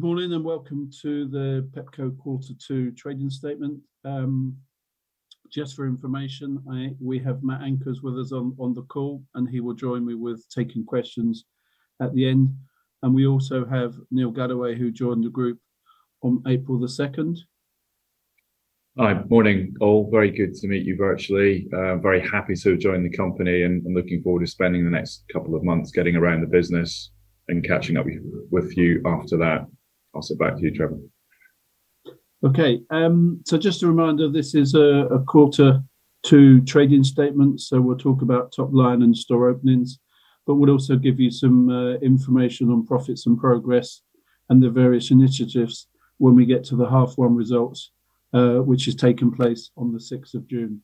Good morning and welcome to the Pepco Quarter 2 Trading Statement. Just for information, we have Mat Ankers with us on the call, he will join me with taking questions at the end. We also have Neil Galloway, who joined the group on April the 2nd. Hi. Morning, all. Very good to meet you virtually. I'm very happy to have joined the company and looking forward to spending the next couple of months getting around the business and catching up with you after that. I'll pass it back to you, Trevor. Okay. Just a reminder, this is a Quarter 2 Trading Statement, we'll talk about top line and store openings, but we'll also give you some information on profits and progress and the various initiatives when we get to the Half One results, which is taking place on the 6th of June.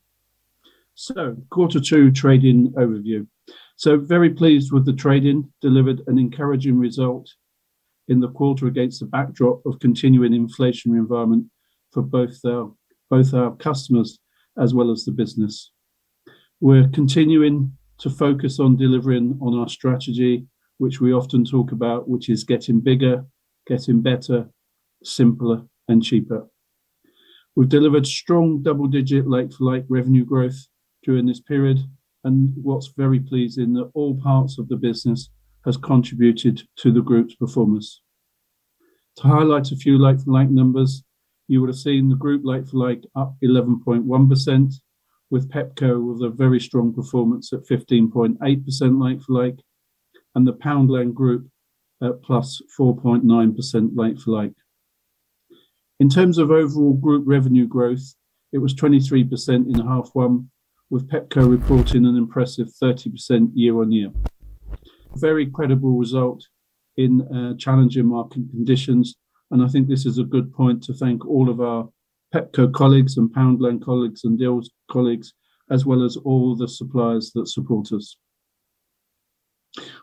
Quarter 2 trading overview. Very pleased with the trading. Delivered an encouraging result in the quarter against the backdrop of continuing inflation environment for both our customers as well as the business. We're continuing to focus on delivering on our strategy, which we often talk about, which is getting bigger, getting better, simpler, and cheaper. We've delivered strong double digit like-for-like revenue growth during this period, what's very pleasing that all parts of the business has contributed to the group's performance. To highlight a few like-for-like numbers, you would've seen the group like-for-like up 11.1%, with Pepco with a very strong performance at 15.8% like-for-like, the Poundland group at plus 4.9% like-for-like. In terms of overall group revenue growth, it was 23% in Half One, with Pepco reporting an impressive 30% year-on-year. Very credible result in challenging market conditions, I think this is a good point to thank all of our Pepco colleagues and Poundland colleagues and Dealz colleagues, as well as all the suppliers that support us.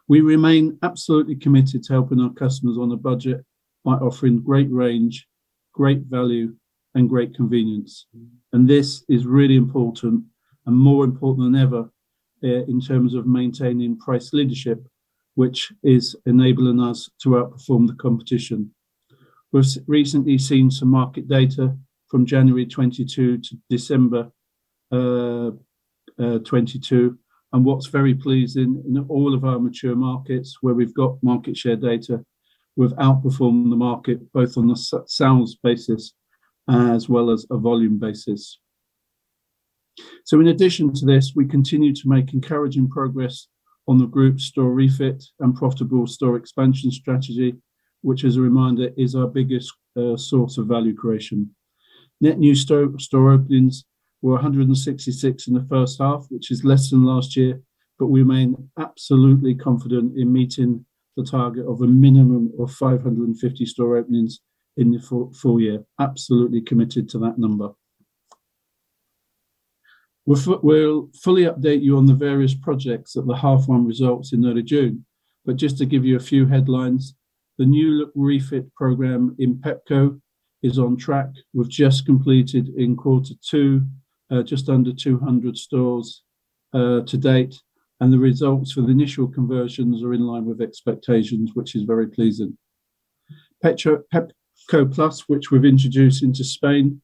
We remain absolutely committed to helping our customers on a budget by offering great range, great value, and great convenience. This is really important and more important than ever in terms of maintaining price leadership, which is enabling us to outperform the competition. We've recently seen some market data from January 2022 to December 2022, and what's very pleasing, in all of our mature markets where we've got market share data, we've outperformed the market both on the sales basis as well as a volume basis. In addition to this, we continue to make encouraging progress on the group store refit and profitable store expansion strategy, which as a reminder, is our biggest source of value creation. Net new store openings were 166 in the first half, which is less than last year, but we remain absolutely confident in meeting the target of a minimum of 550 store openings in the full year. Absolutely committed to that number. We'll fully update you on the various projects at the Half One results in early June. Just to give you a few headlines, the new look refit program in Pepco is on track. We've just completed in Quarter 2, just under 200 stores to date. The results for the initial conversions are in line with expectations, which is very pleasing. Pepco Plus, which we've introduced into Spain,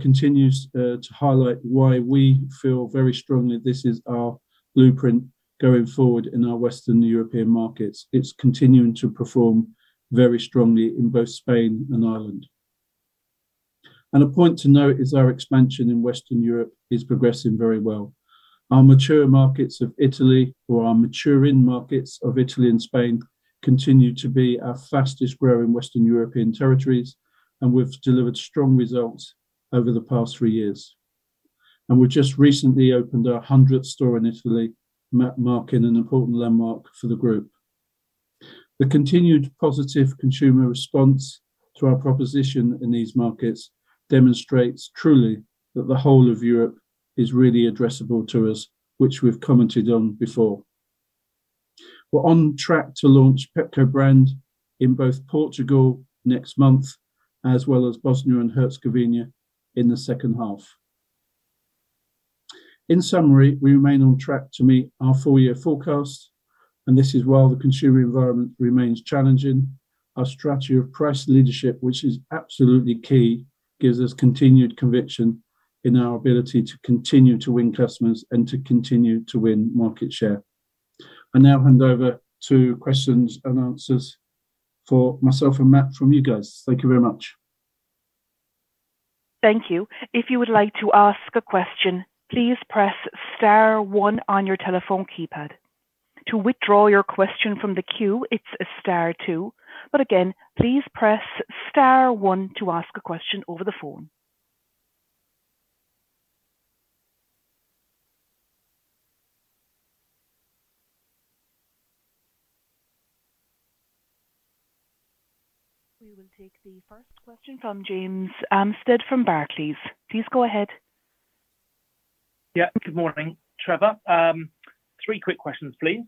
continues to highlight why we feel very strongly this is our blueprint going forward in our Western European markets. It's continuing to perform very strongly in both Spain and Ireland. A point to note is our expansion in Western Europe is progressing very well. Our mature markets of Italy or our maturing markets of Italy and Spain continue to be our fastest growing Western European territories, and we've delivered strong results over the past three years. We just recently opened our 100th store in Italy, marking an important landmark for the group. The continued positive consumer response to our proposition in these markets demonstrates truly that the whole of Europe is really addressable to us, which we've commented on before. We're on track to launch Pepco brand in both Portugal next month, as well as Bosnia and Herzegovina in the second half. In summary, we remain on track to meet our full year forecast, and this is while the consumer environment remains challenging. Our strategy of price leadership, which is absolutely key, gives us continued conviction in our ability to continue to win customers and to continue to win market share. I now hand over to questions and answers for myself and Mat from you guys. Thank you very much. Thank you. If you would like to ask a question, please press star one on your telephone keypad. To withdraw your question from the queue, it's star two. Again, please press star one to ask a question over the phone. We will take the first question from James Amstad from Barclays. Please go ahead. Yeah. Good morning, Trevor. Three quick questions, please.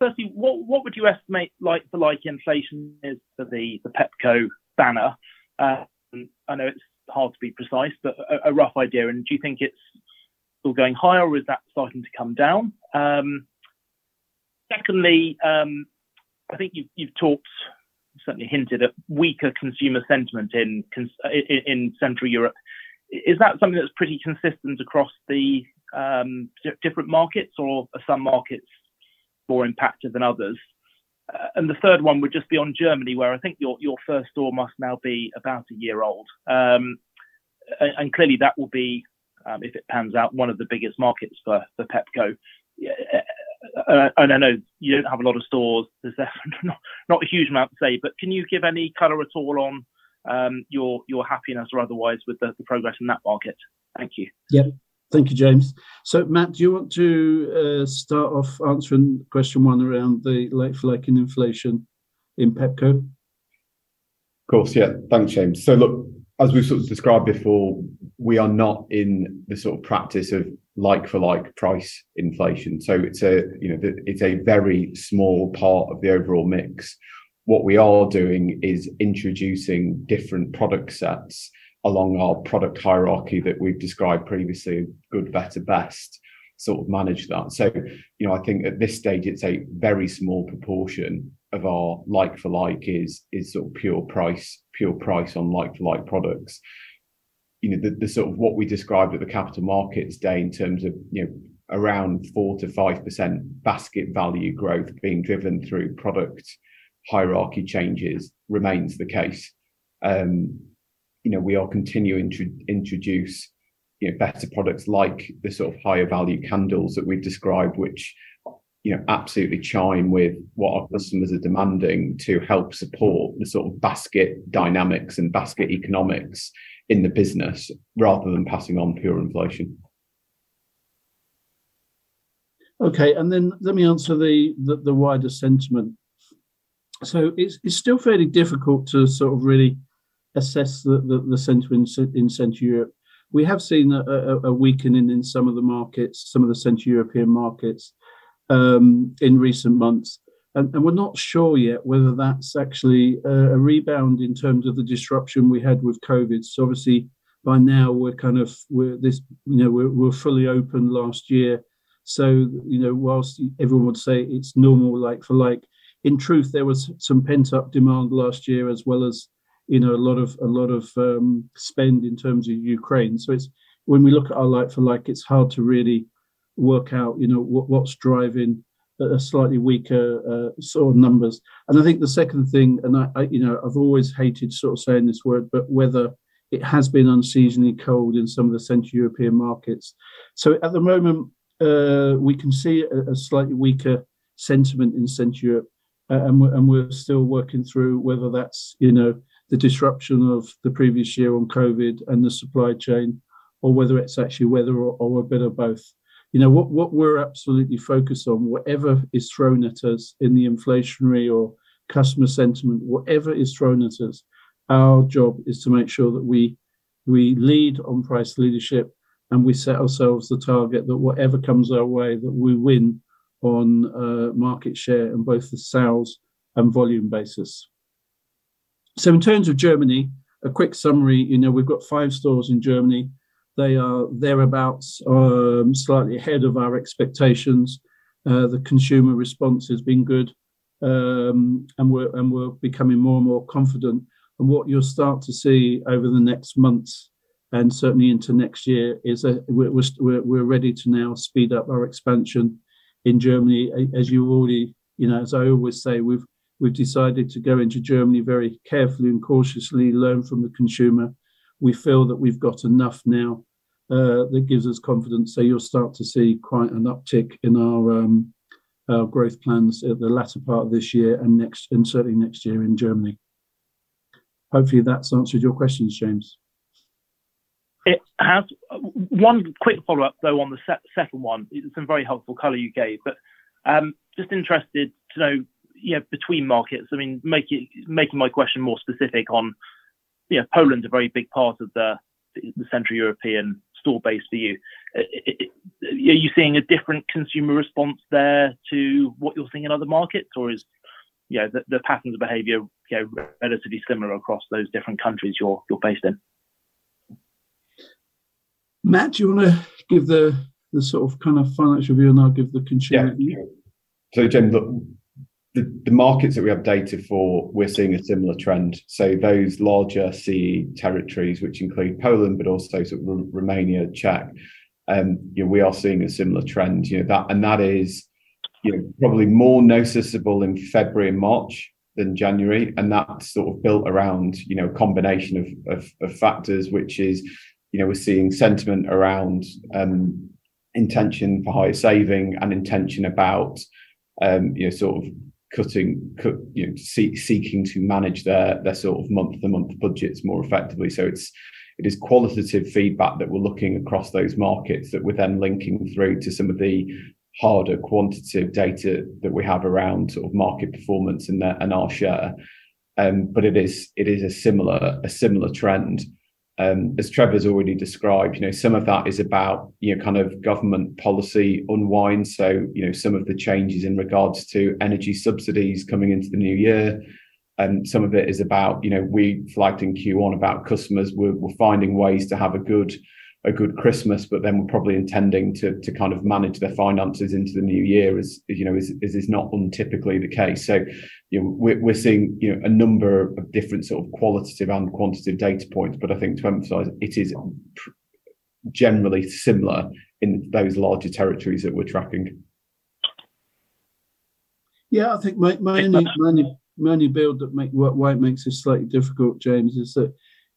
Firstly, what would you estimate like-for-like inflation is for the Pepco banner? I know it's hard to be precise, but a rough idea. Do you think it's Still going higher or is that starting to come down? Secondly, I think you've certainly hinted at weaker consumer sentiment in Central Europe. Is that something that's pretty consistent across the different markets or are some markets more impacted than others? The third one would just be on Germany, where I think your first store must now be about a year old. Clearly that will be, if it pans out, one of the biggest markets for Pepco. I know you don't have a lot of stores there, so not a huge amount to say, but can you give any color at all on your happiness or otherwise with the progress in that market? Thank you. Yeah. Thank you, James. Mat, do you want to start off answering question one around the like-for-like inflation in Pepco? Of course, yeah. Thanks, James. Look, as we sort of described before, we are not in the sort of practice of like-for-like price inflation. It's a very small part of the overall mix. What we are doing is introducing different product sets along our product hierarchy that we've described previously, good, better, best, sort of manage that. I think at this stage it's a very small proportion of our like-for-like is sort of pure price on like-for-like products. The sort of what we described at the capital markets day in terms of around 4%-5% basket value growth being driven through product hierarchy changes remains the case. We are continuing to introduce better products like the sort of higher value candles that we've described, which absolutely chime with what our customers are demanding to help support the sort of basket dynamics and basket economics in the business rather than passing on pure inflation. Let me answer the wider sentiment. It's still fairly difficult to sort of really assess the sentiment in Central Europe. We have seen a weakening in some of the markets, some of the Central European markets, in recent months and we're not sure yet whether that's actually a rebound in terms of the disruption we had with COVID. Obviously by now we're kind of, we're fully open last year, so whilst everyone would say it's normal like-for-like, in truth, there was some pent-up demand last year as well as a lot of spend in terms of Ukraine. When we look at our like-for-like, it's hard to really work out what's driving a slightly weaker sort of numbers. I think the second thing, and I've always hated sort of saying this word, but weather, it has been unseasonably cold in some of the Central European markets. At the moment, we can see a slightly weaker sentiment in Central Europe and we're still working through whether that's the disruption of the previous year on COVID and the supply chain or whether it's actually weather or a bit of both. What we're absolutely focused on, whatever is thrown at us in the inflationary or customer sentiment, whatever is thrown at us, our job is to make sure that we lead on price leadership and we set ourselves the target that whatever comes our way, that we win on market share and both the sales and volume basis. In terms of Germany, a quick summary, we've got five stores in Germany. They are thereabouts slightly ahead of our expectations. The consumer response has been good, and we're becoming more and more confident. What you'll start to see over the next months and certainly into next year is that we're ready to now speed up our expansion in Germany. As I always say, we've decided to go into Germany very carefully and cautiously, learn from the consumer. We feel that we've got enough now that gives us confidence. You'll start to see quite an uptick in our growth plans at the latter part of this year and certainly next year in Germany. Hopefully that's answered your questions, James. It has. One quick follow-up though on the second one. It's a very helpful color you gave, just interested to know between markets, I mean, making my question more specific on, Poland's a very big part of the Central European store base for you. Are you seeing a different consumer response there to what you're seeing in other markets or is the patterns of behavior relatively similar across those different countries you're based in? Mat, do you want to give the sort of financial view and I'll give the consumer view? James, look, the markets that we updated for, we're seeing a similar trend. Those larger CEE territories which include Poland but also Romania, Czech, we are seeing a similar trend. That is probably more noticeable in February and March than January, and that's sort of built around a combination of factors, which is we're seeing sentiment around intention for higher saving and intention about sort of seeking to manage their sort of month-to-month budgets more effectively. It is qualitative feedback that we're looking across those markets that we're then linking through to some of the harder quantitative data that we have around sort of market performance and our share. It is a similar trend. As Trevor's already described, some of that is about kind of government policy unwind, some of the changes in regards to energy subsidies coming into the new year. Some of it is about, we flagged in Q1 about customers were finding ways to have a good Christmas, but then were probably intending to manage their finances into the new year, as is not untypically the case. We're seeing a number of different sort of qualitative and quantitative data points. I think to emphasize, it is generally similar in those larger territories that we're tracking. I think my only build why it makes this slightly difficult, James, is that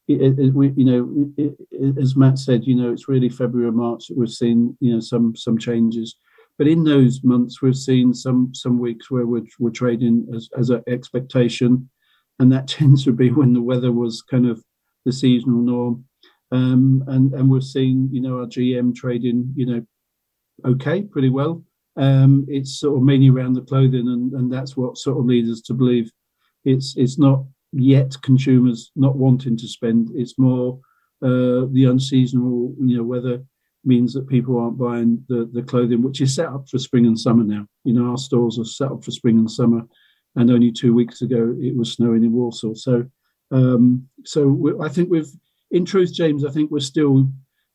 as Mat said, it's really February, March that we're seeing some changes. In those months, we're seeing some weeks where we're trading as an expectation, and that tends to be when the weather was kind of the seasonal norm. We're seeing our GM trade in okay, pretty well. It's sort of mainly around the clothing and that's what sort of leads us to believe it's not yet consumers not wanting to spend. It's more the unseasonal weather means that people aren't buying the clothing, which is set up for spring and summer now. Our stores are set up for spring and summer. Only two weeks ago it was snowing in Warsaw. I think in truth, James, I think we still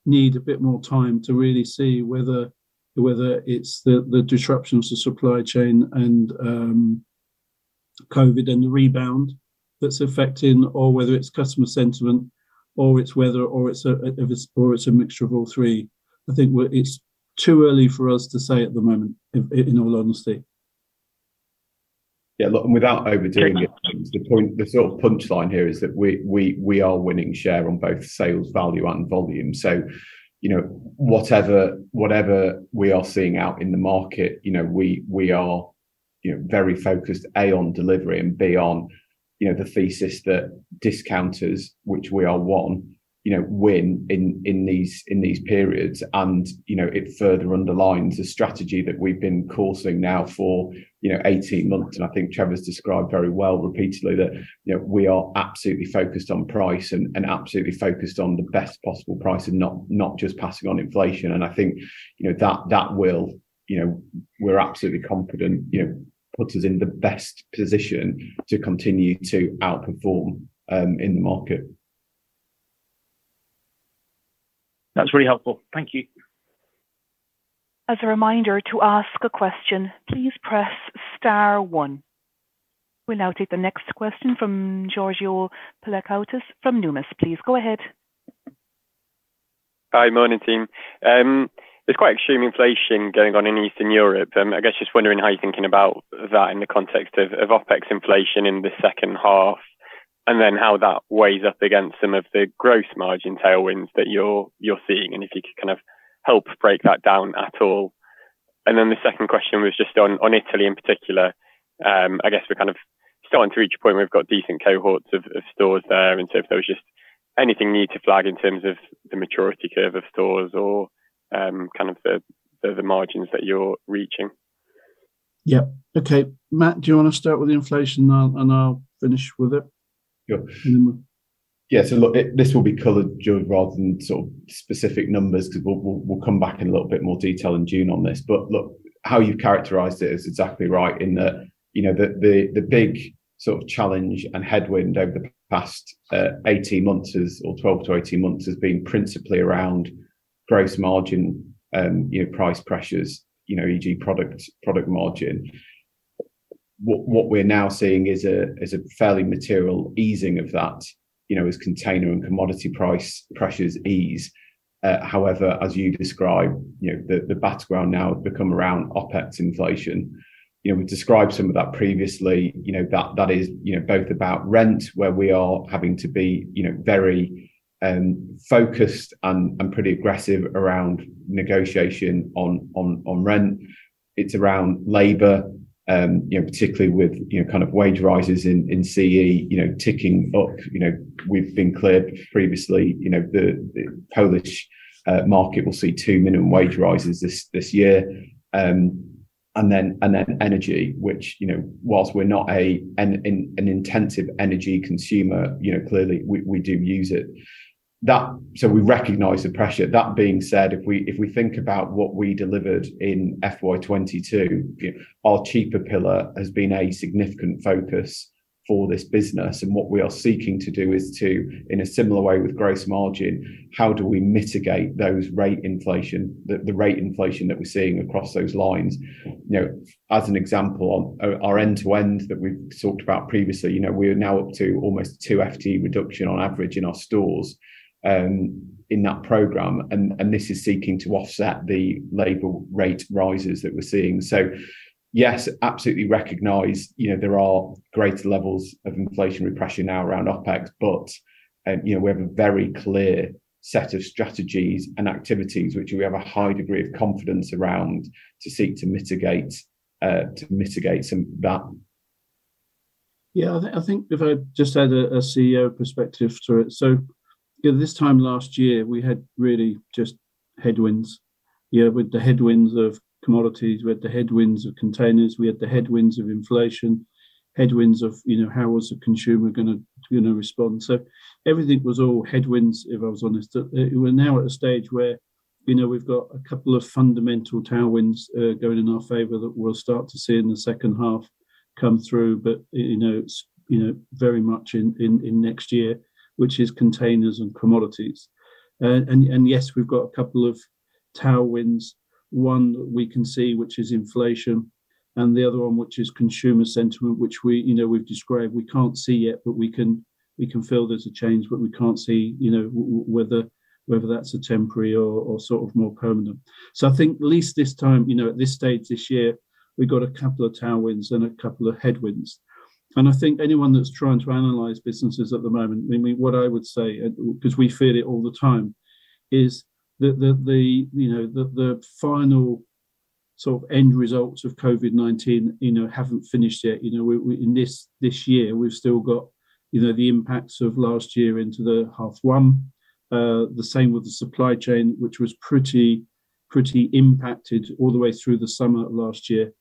need a bit more time to really see whether it's the disruptions to supply chain and COVID and the rebound that's affecting, or whether it's customer sentiment or it's weather, or it's a mixture of all three. I think it's too early for us to say at the moment, in all honesty. Without overdoing it, James, the sort of punchline here is that we are winning share on both sales value and volume. Whatever we are seeing out in the market, we are very focused, A, on delivery and B, on the thesis that discounters, which we are one, win in these periods. It further underlines the strategy that we've been coursing now for 18 months, and I think Trevor's described very well repeatedly that we are absolutely focused on price and absolutely focused on the best possible price and not just passing on inflation. I think we're absolutely confident puts us in the best position to continue to outperform in the market. That's really helpful. Thank you. As a reminder, to ask a question, please press star one. We'll now take the next question from Georgios Pilakoutas from Numis. Please go ahead. Hi. Morning, team. There's quite extreme inflation going on in Eastern Europe. I guess, just wondering how you're thinking about that in the context of OpEx inflation in the second half, how that weighs up against some of the gross margin tailwinds that you're seeing, and if you could kind of help break that down at all. The second question was just on Italy in particular. I guess we're kind of starting to reach a point we've got decent cohorts of stores there, and so if there was just anything you need to flag in terms of the maturity curve of stores or kind of the margins that you're reaching. Yeah. Okay. Mat, do you want to start with the inflation and I'll finish with it? Sure. we'll This will be colored, George, rather than specific numbers because we'll come back in a little bit more detail in June on this. How you've characterized it is exactly right in that, the big challenge and headwind over the past 18 months or 12 to 18 months has been principally around gross margin price pressures, e.g., product margin. What we're now seeing is a fairly material easing of that as container and commodity price pressures ease. However, as you describe, the battleground now become around OpEx inflation. We described some of that previously. That is both about rent, where we are having to be very focused and pretty aggressive around negotiation on rent. It's around labor, particularly with wage rises in CE ticking up. We've been clear previously the Polish market will see two minimum wage rises this year. Energy, which whilst we're not an intensive energy consumer, clearly we do use it. We recognize the pressure. That being said, if we think about what we delivered in FY '22, our cheaper pillar has been a significant focus for this business and what we are seeking to do is to, in a similar way with gross margin, how do we mitigate the rate inflation that we're seeing across those lines? As an example, our end-to-end that we've talked about previously, we are now up to almost two FTE reduction on average in our stores in that program, and this is seeking to offset the labor rate rises that we're seeing. Yes, absolutely recognize there are greater levels of inflationary pressure now around OpEx, we have a very clear set of strategies and activities which we have a high degree of confidence around to seek to mitigate some of that. I think if I just add a CEO perspective to it. This time last year we had really just headwinds. With the headwinds of commodities, we had the headwinds of containers, we had the headwinds of inflation, headwinds of how was the consumer going to respond. Everything was all headwinds, if I was honest. We're now at a stage where we've got a couple of fundamental tailwinds going in our favor that we'll start to see in the second half come through, it's very much in next year, which is containers and commodities. Yes, we've got a couple of tailwinds. One that we can see, which is inflation, and the other one which is consumer sentiment, which we've described. We can't see yet, but we can feel there's a change, but we can't see whether that's temporary or more permanent. I think at least this time, at this stage this year, we've got a couple of tailwinds and a couple of headwinds. I think anyone that's trying to analyze businesses at the moment, what I would say, because we feel it all the time, is that the final end results of COVID-19 haven't finished yet. This year, we've still got the impacts of last year into the H1. The same with the supply chain, which was pretty impacted all the way through the summer of last year.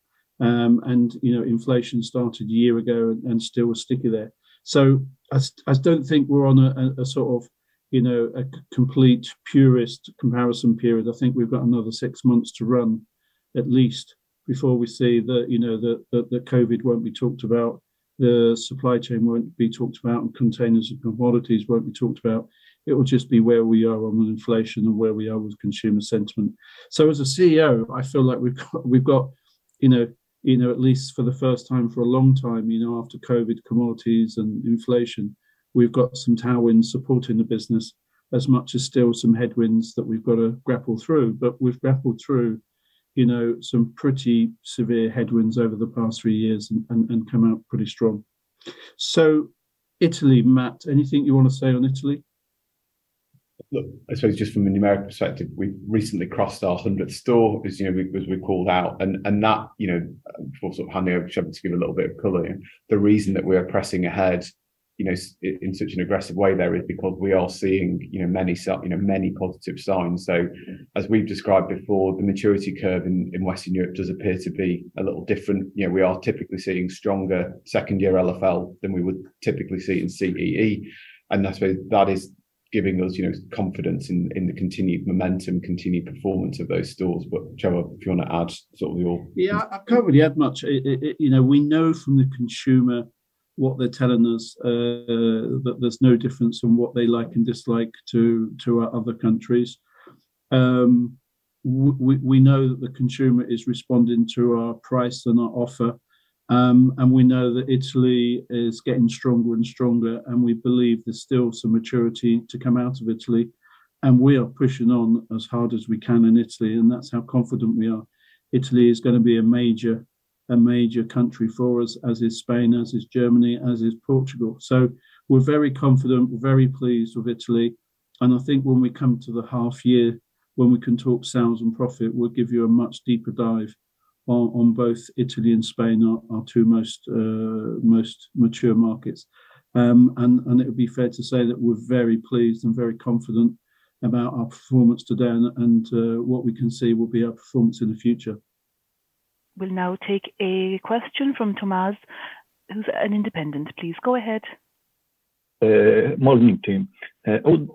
Inflation started a year ago and still sticky there. I don't think we're on a complete purist comparison period. I think we've got another six months to run at least before we see that COVID won't be talked about, the supply chain won't be talked about, and containers and commodities won't be talked about. It will just be where we are on with inflation and where we are with consumer sentiment. As a CEO, I feel like we've got, at least for the first time for a long time after COVID, commodities, and inflation, we've got some tailwinds supporting the business as much as still some headwinds that we've got to grapple through. We've grappled through some pretty severe headwinds over the past three years and come out pretty strong. Italy, Mat, anything you want to say on Italy? I suppose just from a numeric perspective, we recently crossed our 100th store, as we called out, and that, before handing over to Trevor to give a little bit of color, the reason that we're pressing ahead in such an aggressive way there is because we are seeing many positive signs. As we've described before, the maturity curve in Western Europe does appear to be a little different. We are typically seeing stronger second year LFL than we would typically see in CEE, and I suppose that is giving us confidence in the continued momentum, continued performance of those stores. Trevor, if you want to add your- I can't really add much. We know from the consumer what they're telling us, that there's no difference in what they like and dislike to our other countries. We know that the consumer is responding to our price and our offer, and we know that Italy is getting stronger and stronger, and we believe there's still some maturity to come out of Italy, and we are pushing on as hard as we can in Italy, and that's how confident we are. Italy is going to be a major country for us, as is Spain, as is Germany, as is Portugal. We're very confident, we're very pleased with Italy, and I think when we come to the H1 when we can talk sales and profit, we'll give you a much deeper dive on both Italy and Spain, our two most mature markets. It would be fair to say that we're very pleased and very confident about our performance today and what we can see will be our performance in the future. We'll now take a question from Tomas, who's an independent. Please go ahead. Morning, team. I would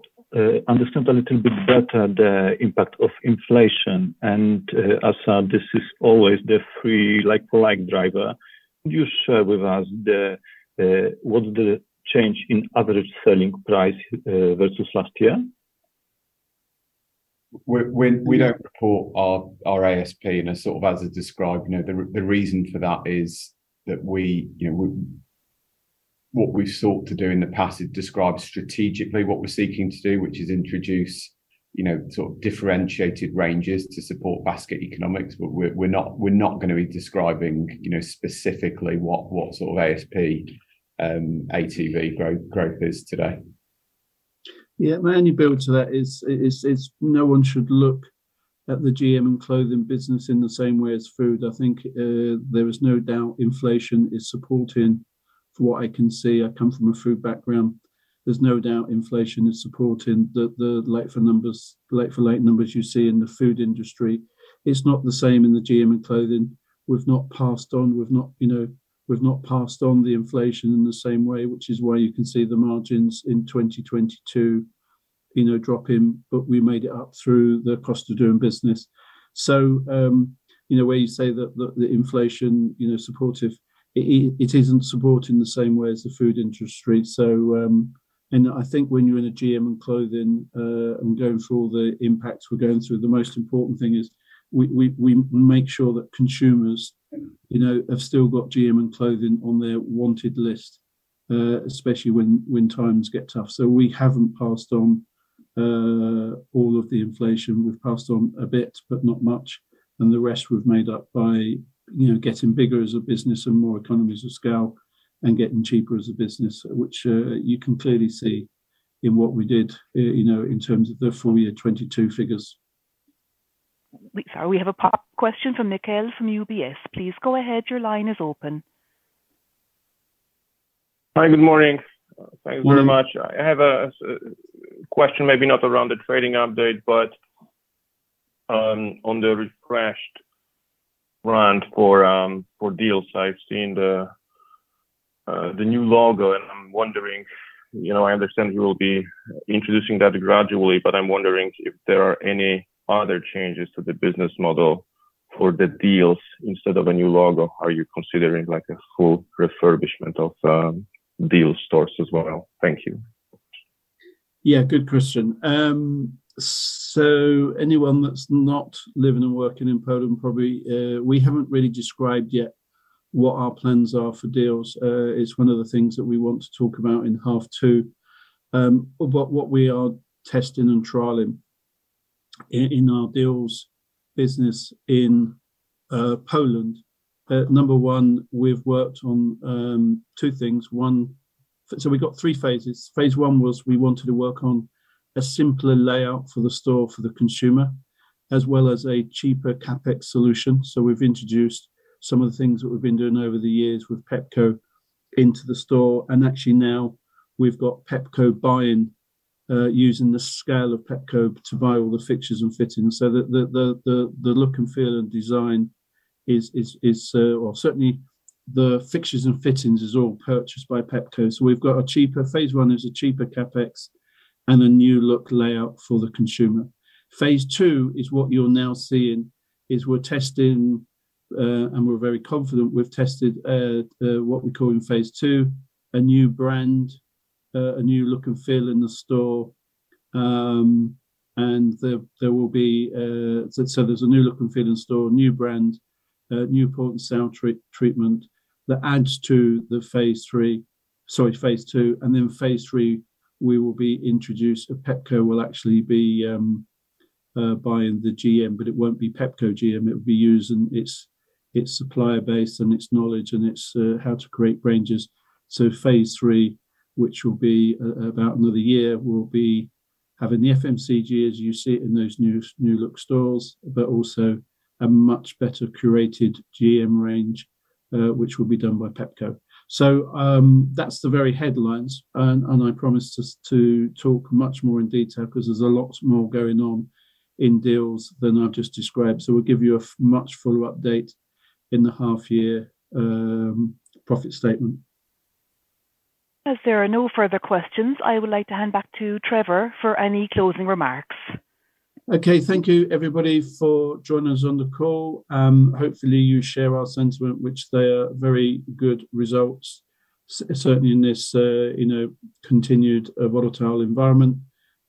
understand a little bit better the impact of inflation and as this is always the free like-for-like driver, could you share with us what's the change in average selling price versus last year? We don't report our ASP. As I described, the reason for that is that what we've sought to do in the past is describe strategically what we're seeking to do, which is introduce differentiated ranges to support basket economics, we're not going to be describing specifically what sort of ASP ATV growth is today. Yeah. May I only build to that is, no one should look at the GM and clothing business in the same way as food. I think there is no doubt inflation is supporting from what I can see. I come from a food background. There is no doubt inflation is supporting the like-for-like numbers you see in the food industry. It is not the same in the GM and clothing. We have not passed on the inflation in the same way, which is why you can see the margins in 2022 dropping, but we made it up through the cost of doing business. Where you say that the inflation supportive, it is not supporting the same way as the food industry. I think when you're in a GM and clothing, and going through all the impacts we're going through, the most important thing is we make sure that consumers have still got GM and clothing on their wanted list, especially when times get tough. We haven't passed on all of the inflation. We've passed on a bit, but not much, and the rest we've made up by getting bigger as a business and more economies of scale and getting cheaper as a business, which you can clearly see in what we did in terms of the full year 2022 figures. We have a question from Mikhail from UBS. Please go ahead, your line is open. Hi, good morning. Thank you very much. I have a question maybe not around the trading update, but on the refreshed brand for Dealz. I've seen the new logo, and I'm wondering, I understand you will be introducing that gradually, but I'm wondering if there are any other changes to the business model for the Dealz instead of a new logo. Are you considering a whole refurbishment of Dealz stores as well? Thank you. Yeah, good question. Anyone that's not living and working in Poland, probably, we haven't really described yet what our plans are for Dealz. It's one of the things that we want to talk about in half two, about what we are testing and trialing in our Dealz business in Poland. Number 1, we've worked on two things. We got three phases. Phase 1 was we wanted to work on a simpler layout for the store for the consumer, as well as a cheaper CapEx solution. We've introduced some of the things that we've been doing over the years with Pepco into the store. Actually now we've got Pepco buy-in, using the scale of Pepco to buy all the fixtures and fittings. The look and feel and design is, or certainly the fixtures and fittings is all purchased by Pepco. We've got a cheaper, Phase 1 is a cheaper CapEx and a new look layout for the consumer. Phase 2 is what you're now seeing, is we're testing, and we're very confident we've tested what we call in Phase 2, a new brand, a new look and feel in the store. There's a new look and feel in store, new brand, new point of sale treatment that adds to the Phase 3, sorry, Phase 2. In Phase 3, we will be introduced, Pepco will actually be buying the GM, but it won't be Pepco GM. It'll be using its supplier base and its knowledge and its how to create ranges. Phase 3, which will be about another year, will be having the FMCG as you see it in those new look stores, but also a much better curated GM range, which will be done by Pepco. That's the very headlines, and I promise to talk much more in detail because there's a lot more going on in Dealz than I've just described. We'll give you a much fuller update in the half year profit statement. As there are no further questions, I would like to hand back to Trevor for any closing remarks. Okay. Thank you everybody for joining us on the call. Hopefully you share our sentiment, which they are very good results, certainly in this continued volatile environment.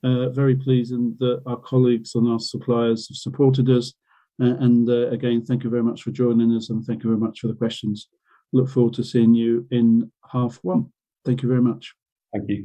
Very pleasing that our colleagues and our suppliers have supported us. Again, thank you very much for joining us and thank you very much for the questions. Look forward to seeing you in half one. Thank you very much. Thank you